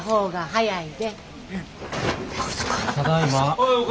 はい。